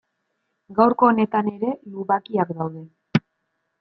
Gaurko honetan ere lubakiak daude.